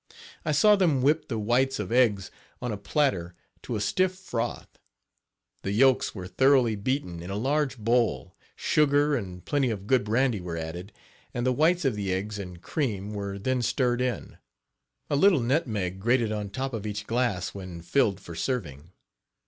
I saw them whip the whites of eggs, on a platter, to a stiff froth; the yolks were thoroughly beaten in a large bowl, sugar and plenty of good brandy were added, and the whites of the eggs and cream were then stirred in, a little nutmeg grated on top of each glass when filled for serving.